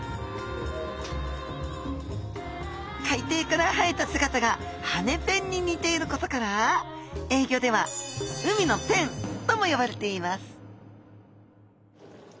海底から生えた姿が羽根ペンににていることから英ギョでは海のペンとも呼ばれています